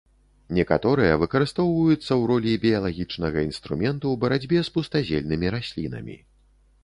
Некаторыя выкарыстоўваюцца ў ролі біялагічнага інструменту ў барацьбе з пустазельнымі раслінамі.